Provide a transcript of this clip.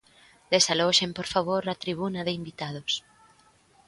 Desaloxen, por favor, a tribuna de invitados.